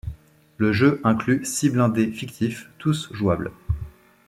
Le jeu inclut six blindés fictifs, tous jouables.